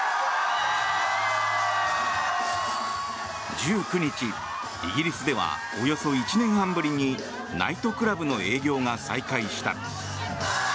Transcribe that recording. １９日、イギリスではおよそ１年半ぶりにナイトクラブの営業が再開した。